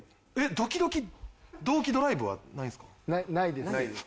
『ドキドキ同期ドＬＩＶＥ』はないんですか？